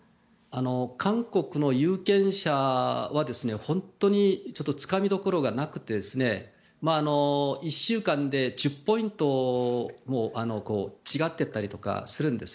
韓国の有権者は本当につかみどころがなくて１週間で１０ポイントも違ってたりするんです。